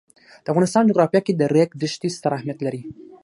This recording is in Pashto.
د افغانستان جغرافیه کې د ریګ دښتې ستر اهمیت لري.